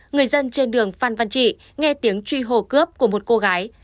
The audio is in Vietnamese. người dân trên đường phan văn trị nghe tiếng truy hồ cướp của một cô gái